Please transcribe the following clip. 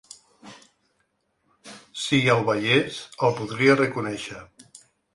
Si el veiés el podria reconèixer.